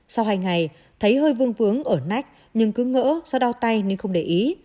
sau hai ngày thấy hơi vương ở nách nhưng cứ ngỡ do đau tay nên không để ý